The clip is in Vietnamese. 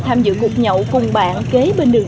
tham dự cuộc nhậu cùng bạn kế bên đường